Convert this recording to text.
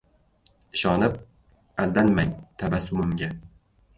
Ishonib, aldanmang tabassumimga